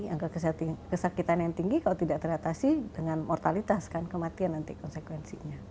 angka kesakitan yang tinggi kalau tidak teratasi dengan mortalitas kan kematian nanti konsekuensinya